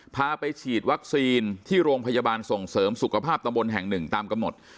พาไปฉีดวัคซีนที่โรงพยาบาลส่งเสริมสุขภาพตำบลแห่งหนึ่งตามกำหนด